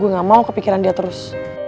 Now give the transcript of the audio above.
gue gak mau kepikiran dia terus